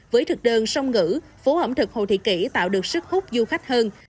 với thực đơn song ngữ phố ẩm thực hồ thị kỷ tạo được sức hút du khách hơn